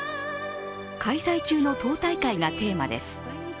開催中の党大会がテーマです。